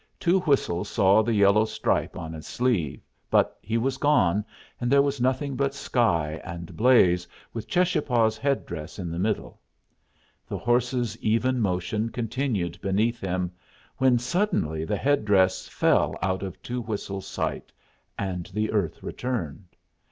Two Whistles saw the yellow stripe on his sleeve; but he was gone, and there was nothing but sky and blaze, with Cheschapah's head dress in the middle. The horse's even motion continued beneath him, when suddenly the head dress fell out of Two Whistles' sight, and the earth returned.